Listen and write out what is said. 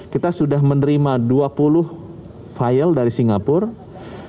kita sudah menerima dua puluh file dari singapura